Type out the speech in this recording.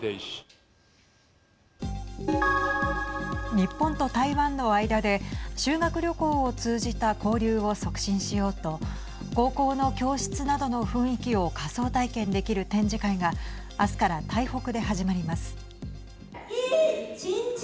日本と台湾の間で修学旅行を通じた交流を促進しようと高校の教室などの雰囲気を仮想体験できる展示会が明日から台北で始まります。